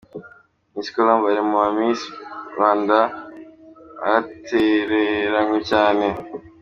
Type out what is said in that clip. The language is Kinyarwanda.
Miss Colombe ari muri ba Miss Rwanda batereranywe cyane.